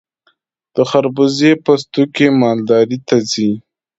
د خربوزې پوستکي مالداري ته ځي.